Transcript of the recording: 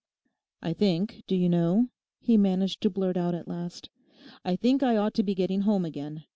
'I think, do you know,' he managed to blurt out at last 'I think I ought to be getting home again.